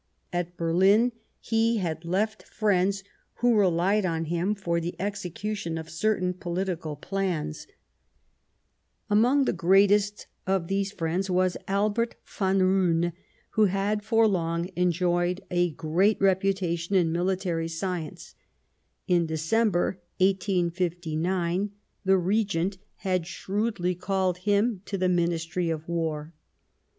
At Berlin he had left friends who relied on him for the execution of certain political plans. Among the greatest of these friends was Albert witKoon ^^^ Roon, who had for long enjoyed a great reputation in military science ; in December 1859 ^^e Regent had shrewdly called D 49 Bismarck him to the Ministry of War.